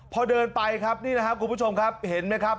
พอเดินไปครับนี่นะครับคุณผู้ชมครับเห็นไหมครับ